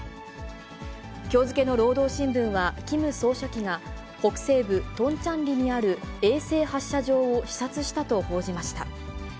きょう付けの労働新聞は、キム総書記が、北西部トンチャンリにある衛星発射場を視察したと報じました。